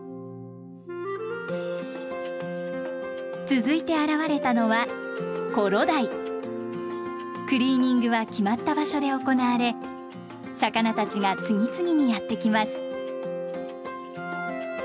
続いて現れたのはクリーニングは決まった場所で行われ魚たちが次々にやって来ます。